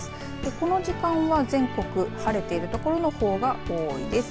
この時間は全国晴れているところの方が多いです。